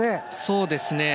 そうですね。